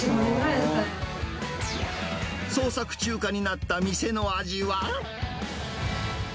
４、創作中華になった店の味は？